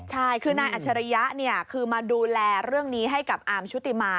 ใช่คือนายอัจฉริยะเนี่ยคือมาดูแลเรื่องนี้ให้กับอาร์มชุติมา